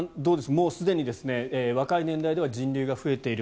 もうすでに若い年代では人流が増えている。